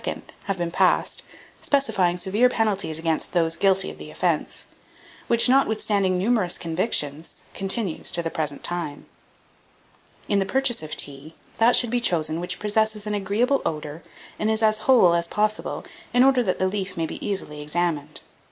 have been passed, specifying severe penalties against those guilty of the offence, which, notwithstanding numerous convictions, continues to the present time. 1798. In the purchase of tea, that should be chosen which possesses an agreeable odour and is as whole as possible, in order that the leaf may be easily examined.